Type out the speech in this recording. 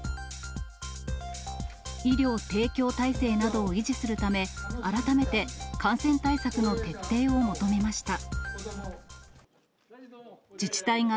医療提供体制などを維持するため、改めて、感染対策の徹底を求めました。